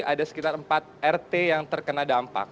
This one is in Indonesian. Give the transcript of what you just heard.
ada sekitar empat rt yang terkena dampak